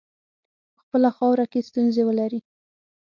په خپله خاوره کې ستونزي ولري.